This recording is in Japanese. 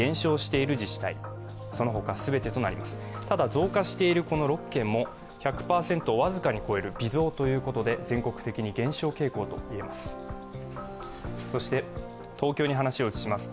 増加している６県も１００％を僅かに超える微増ということで、全国的に減少傾向と言えます。